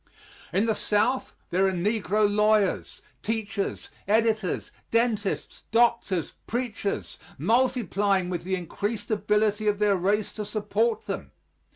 In the South there are negro lawyers, teachers, editors, dentists, doctors, preachers, multiplying with the increasing ability of their race to support them.